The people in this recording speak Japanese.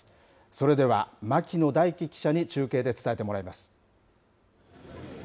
それでは牧野大輝記者に中継で伝えてもらいます。